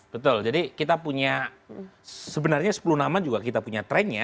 betul jadi kita punya sebenarnya sepuluh nama juga kita punya trennya